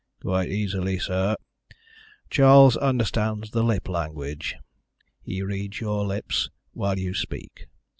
"Quite easily, sir. Charles understands the lip language he reads your lips while you speak.